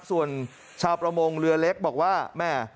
ส่วนชาวประมงเรือเล็กบอกว่าแม่